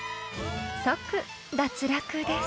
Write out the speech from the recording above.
［即脱落です］